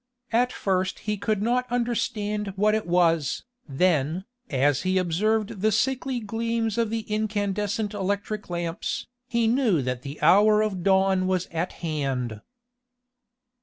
At first he could not understand what it was, then, as he observed the sickly gleams of the incandescent electric lamps, he knew that the hour of dawn was at hand.